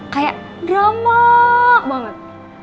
kayak drama banget